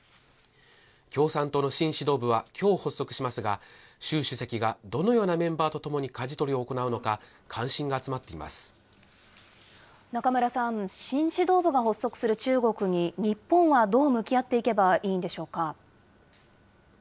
共産党の新指導部はきょう発足しますが、習主席がどのようなメンバーと共にかじ取りを行うのか、関心が集中村さん、新指導部が発足する中国に、日本はどう向き合っていけばいいんでしょうか。